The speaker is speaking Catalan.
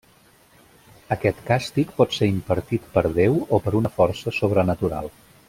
Aquest càstig pot ser impartit per Déu o per una força sobrenatural.